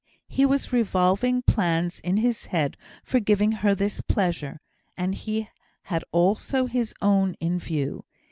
He was revolving plans in his head for giving her this pleasure, and he had also his own in view.